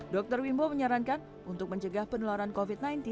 dr wimbo menyarankan untuk mencegah penularan covid sembilan belas